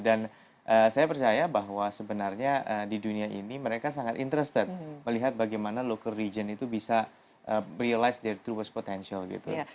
dan saya percaya bahwa sebenarnya di dunia ini mereka sangat tertarik melihat bagaimana region lokal itu bisa menyadari potensi yang benar